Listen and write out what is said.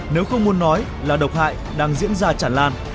nếu không muốn nói là độc hại đang diễn ra chẳng lan